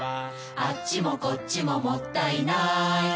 「あっちもこっちももったいない」